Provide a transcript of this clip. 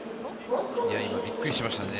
今、びっくりしましたね。